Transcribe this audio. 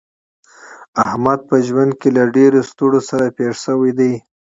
احمد په ژوند کې له ډېرو ستړو سره پېښ شوی دی.